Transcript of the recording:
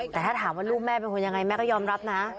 แต่ถ้าถามว่าลูกแม่เป็นคนยังไงแม่ก็ยอมรับนะ